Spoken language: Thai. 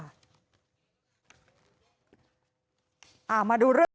อ้าวมาดู